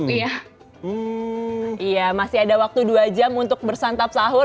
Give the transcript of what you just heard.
iya masih ada waktu dua jam untuk bersantap sahur